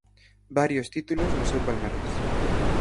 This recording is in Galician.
Varios títulos no seu palmarés.